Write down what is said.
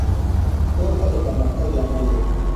پوهه د پرمختګ لامل ده.